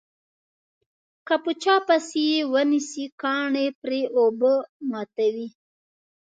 که په چا پسې یې ونسي کاڼي پرې اوبه ماتوي.